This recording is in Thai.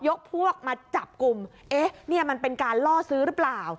พวกมาจับกลุ่มเอ๊ะเนี่ยมันเป็นการล่อซื้อหรือเปล่า